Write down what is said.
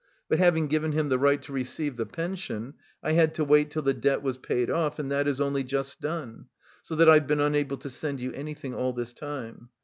But having given him the right to receive the pension, I had to wait till the debt was paid off and that is only just done, so that I've been unable to send you anything all this time.